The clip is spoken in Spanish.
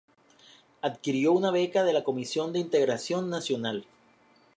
Adquirió una beca de la Comisión de Integración Nacional.